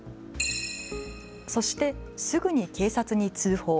そして、すぐに警察に通報。